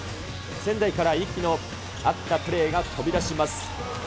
仙台から息の合ったプレーが飛び出します。